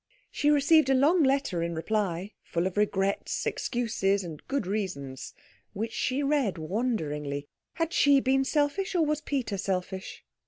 She received a long letter in reply, full of regrets, excuses, and good reasons, which she read wonderingly. Had she been selfish, or was Peter selfish?